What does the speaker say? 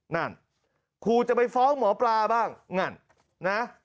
นั่นครูจะไปฟ้องหมอปลาบ้างนั่นนะ